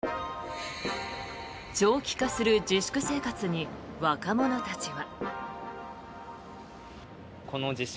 長期化する自粛生活に若者たちは。